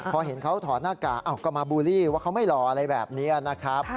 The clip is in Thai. พอเห็นเขาถอดหน้ากากก็มาบูลลี่ว่าเขาไม่หล่ออะไรแบบนี้นะครับ